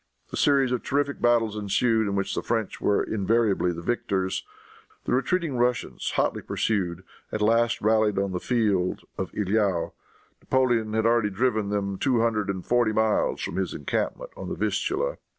A series of terrific battles ensued, in which the French were invariably the victors. The retreating Russians, hotly pursued, at last rallied on the field of Eylau. Napoleon had already driven them two hundred and forty miles from his encampment on the Vistula.